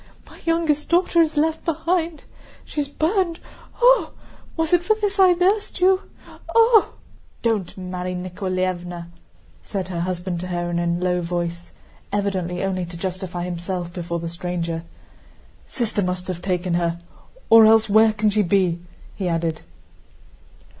My youngest daughter is left behind. She's burned! Ooh! Was it for this I nursed you.... Ooh!" "Don't, Mary Nikoláevna!" said her husband to her in a low voice, evidently only to justify himself before the stranger. "Sister must have taken her, or else where can she be?" he added.